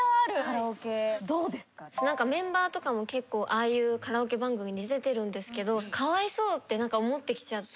メンバーとかも結構ああいうカラオケ番組に出てるんですけどかわいそうって思ってきちゃって。